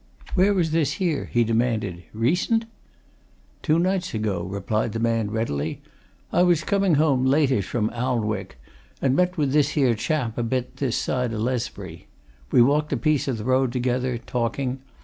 "Where was this here?" he demanded. "Recent?" "Two nights ago," replied the man readily. "I was coming home, lateish, from Almwick, and met with this here chap a bit this side o' Lesbury. We walked a piece of the road together, talking.